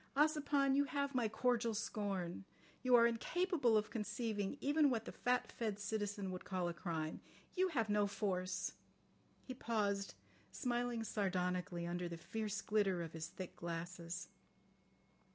Ossipon, you have my cordial scorn. You are incapable of conceiving even what the fat fed citizen would call a crime. You have no force." He paused, smiling sardonically under the fierce glitter of his thick glasses.